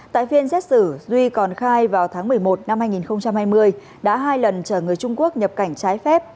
tại phiên xét xử duy còn khai vào tháng một mươi một năm hai nghìn hai mươi đã hai lần chở người trung quốc nhập cảnh trái phép